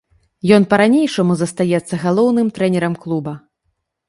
Ён па-ранейшаму застаецца галоўным трэнерам клуба.